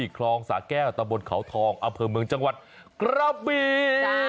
คลองสาแก้วตะบนเขาทองอำเภอเมืองจังหวัดกระบี